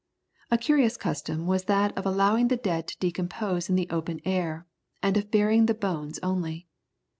A curious custom was that of allowing the dead to decompose in the open air, and of burying the bones only.